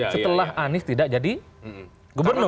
setelah anies tidak jadi gubernur